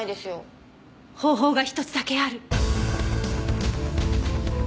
方法が一つだけある。